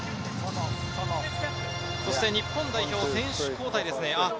そして日本代表、選手交代ですね。